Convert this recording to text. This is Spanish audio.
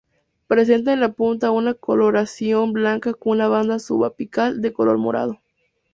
Presentan en la punta una coloración blanca con una banda subapical de color morado.